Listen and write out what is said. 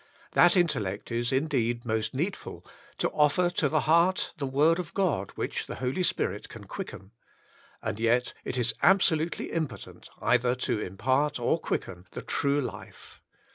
That intellect is indeed most needful, to offer to the heart the Word of God which the Holy Spirit can quicken. And yet it is absolutely impotent, either to impart, or quicken, the true life.